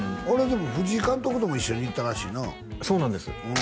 あれでも藤井監督とも一緒に行ったらしいなそうなんです